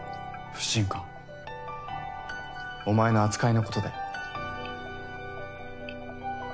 お前の扱いのことだよ。